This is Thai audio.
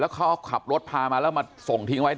เขาขับรถพามาแล้วมาส่งทิ้งไว้